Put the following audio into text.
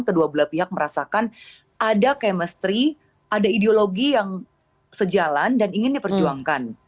kedua belah pihak merasakan ada chemistry ada ideologi yang sejalan dan ingin diperjuangkan